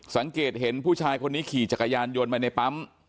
สังเกตเห็นผู้ชายคนนี้ขี่จักรยานยนต์มาในปั๊ม